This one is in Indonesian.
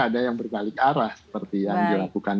ada yang berbalik arah seperti yang dilakukan